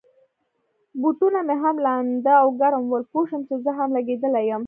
بوټونه مې هم لانده او ګرم ول، پوه شوم چي زه هم لګېدلی یم.